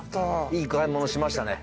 いい買い物しましたね。